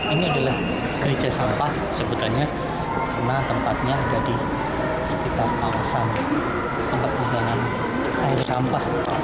ini adalah gereja sampah sebutannya karena tempatnya ada di sekitar kawasan tempat pengundangan air sampah